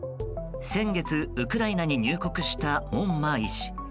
先月、ウクライナに入国した門馬医師。